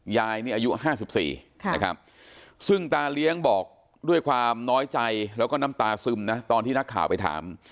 ยายนี่อายุ๕๔นะครับซึ่งตาเลี้ยงบอกด้วยความน้อยใจแล้วก็น้ำตาซึมนะตอนที่นักข่าวไปถาม